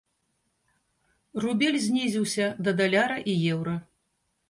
Рубель знізіўся да даляра і еўра.